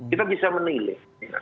kita bisa menilai